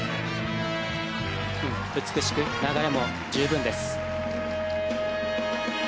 美しく流れも十分です。